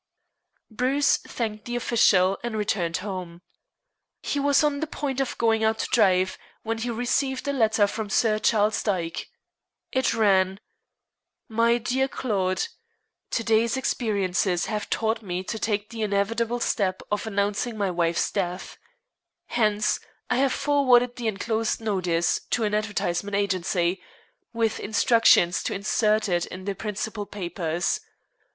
Bruce thanked the official and returned home. He was on the point of going out to drive, when he received a letter from Sir Charles Dyke. It ran: "My Dear Claude, Today's experiences have taught me to take the inevitable step of announcing my wife's death. Hence, I have forwarded the enclosed notice to an advertisement agency, with instructions to insert it in the principal papers.